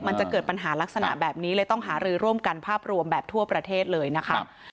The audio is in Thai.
มันจะเกิดปัญหาลักษณะแบบนี้เลยต้องหารือร่วมกันภาพรวมแบบทั่วประเทศเลยนะคะ